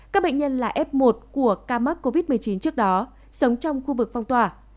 các bệnh nhân là f một của ca mắc covid một mươi chín trước đó sống trong khu vực phong tỏa